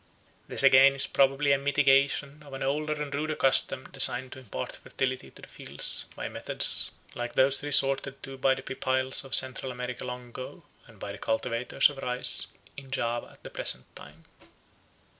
This again is probably a mitigation of an older and ruder custom designed to impart fertility to the fields by methods like those resorted to by the Pipiles of Central America long ago and by the cultivators of rice in Java at the present time.